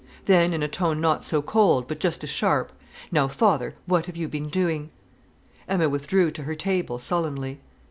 Then, in a tone not so cold, but just as sharp: "Now, father, what have you been doing?" Emma withdrew to her table sullenly.